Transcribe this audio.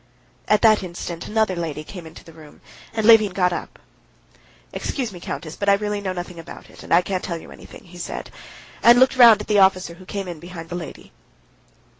At that instant another lady came into the room, and Levin got up. "Excuse me, countess, but I really know nothing about it, and can't tell you anything," he said, and looked round at the officer who came in behind the lady.